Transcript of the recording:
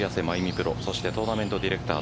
プロトーナメントディレクター